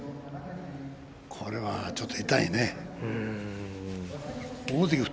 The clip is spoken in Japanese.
これはちょっと痛いね。